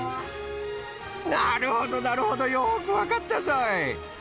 なるほどなるほどよくわかったぞい！